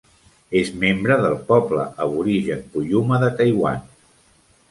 És membre del poble aborigen Puyuma de Taiwan.